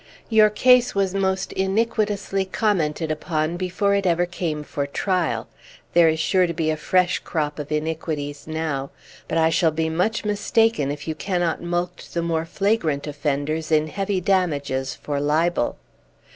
Your case was most iniquitously commented upon before ever it came for trial; there is sure to be a fresh crop of iniquities now; but I shall be much mistaken if you cannot mulct the more flagrant offenders in heavy damages for libel."